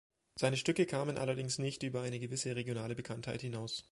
Seine Stücke kamen allerdings nicht über eine gewisse regionale Bekanntheit hinaus.